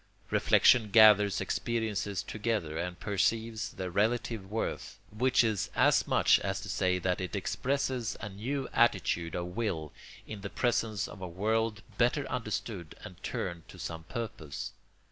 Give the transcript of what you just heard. Reflection gathers experiences together and perceives their relative worth; which is as much as to say that it expresses a new attitude of will in the presence of a world better understood and turned to some purpose.